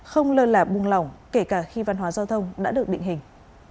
không lơ là buông lỏng kể cả khi văn hóa giao thông đã được định hình